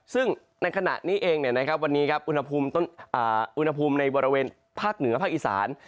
ซึ่งในขณะนี้เองวันนี้ครับอุณหภูมิในบริเวณภาคเหนือภาคอีสาน